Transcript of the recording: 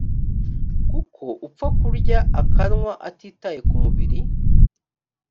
kuko upfa kurya akanywa atitaye ku mubiri